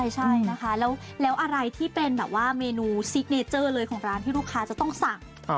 ใช่นะคะแล้วอะไรที่เป็นแบบว่าเมนูซิกเนเจอร์เลยของร้านที่ลูกค้าจะต้องสั่ง